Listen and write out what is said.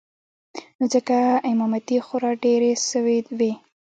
نو ځکه امامتې خورا ډېرې سوې وې.